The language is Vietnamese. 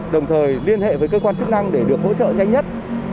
đồng thời liên hệ với cơ quan chức năng để được hỗ trợ nhanh nhất